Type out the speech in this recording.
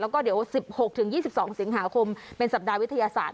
แล้วก็เดี๋ยวสิบหกถึงยี่สิบสองสิงหาคมเป็นสัปดาห์วิทยาศาสตร์